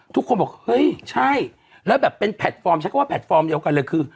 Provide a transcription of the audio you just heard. ทุกคนบอกเฮ้ยใช่แล้วแบบเป็นแพลตฟอร์มใช้คำว่าแพลตฟอร์มเดียวกันเลยคือ